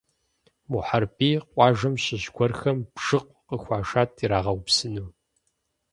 Мухьэрбий къуажэм щыщ гуэрхэм бжыкъу къыхуашат ирагъэупсыну.